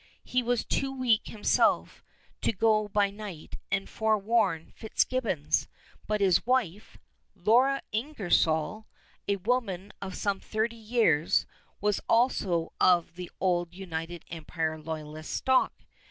He was too weak himself to go by night and forewarn Fitzgibbons, but his wife, Laura Ingersoll, a woman of some thirty years, was also of the old United Empire Loyalist stock.